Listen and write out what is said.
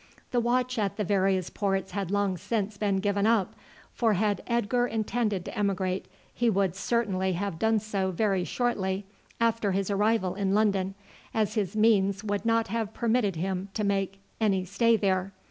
The watch at the various ports had long since been given up, for had Edgar intended to emigrate he would certainly have done so very shortly after his arrival in London, as his means would not have permitted him to make any stay there.